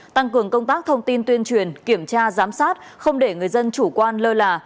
tăng cường công tác thông tin tuyên truyền kiểm tra giám sát không để người dân chủ quan lơ là